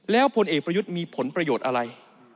แล้วพลเอกประยุทธ์มีผลประโยชน์อะไร